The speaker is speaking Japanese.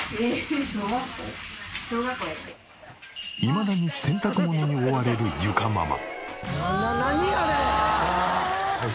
いまだに洗濯物に追われる裕佳ママ。